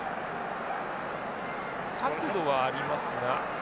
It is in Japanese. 角度はありますが。